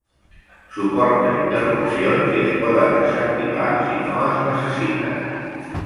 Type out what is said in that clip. Suporta interrupcions i es poden desactivar si no es necessiten.